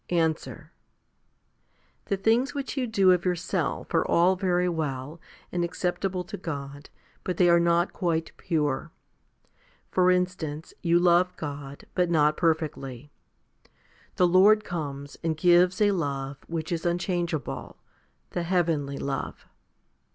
Answer. The things which you do of yourself are all very well, and acceptable to God, but they are not quite pure. For instance, you love God, but not perfectly. The Lord comes, and gives a love which is unchangeable, the heavenly love.